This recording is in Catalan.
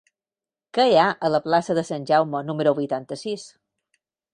Què hi ha a la plaça de Sant Jaume número vuitanta-sis?